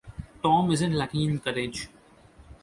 Tom isn't lacking in courage.